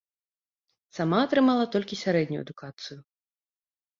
Сама атрымала толькі сярэднюю адукацыю.